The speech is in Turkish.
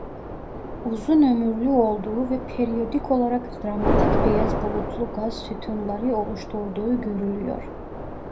Uzun ömürlü olduğu ve periyodik olarak dramatik beyaz bulutlu gaz sütunları oluşturduğu görülüyor.